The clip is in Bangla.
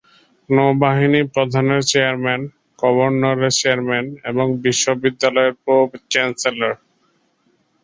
নৌবাহিনী প্রধানের চেয়ারম্যান গভর্নরের চেয়ারম্যান এবং বিশ্ববিদ্যালয়ের প্রো-চ্যান্সেলর।